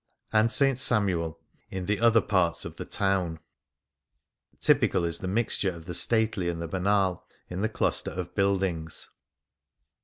33 c Things Seen in Venice other parts of the town. Typical is the mix ture of the stately and the banal in the cluster of buildings.